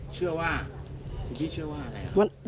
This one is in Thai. เชื่อว่าพี่พี่เชื่อว่าอะไร